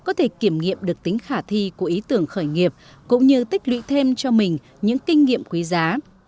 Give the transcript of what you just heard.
các thí sinh tham gia có thể kiểm nghiệm được tính khả thi của ý tưởng khởi nghiệp cũng như tích lụy thêm cho mình những kinh nghiệm quý giá